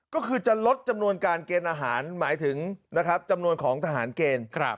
ก็คือจะลดจำนวนการเกณฑ์อาหารหมายถึงนะครับจำนวนของทหารเกณฑ์